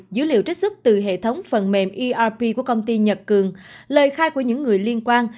dữ liệu trích xuất từ hệ thống phần mềm erp của công ty nhật cường lời khai của những người liên quan